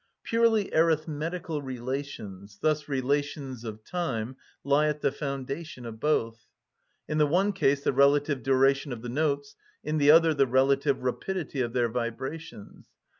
Purely arithmetical relations, thus relations of time, lie at the foundation of both; in the one case the relative duration of the notes, in the other the relative rapidity of their vibrations.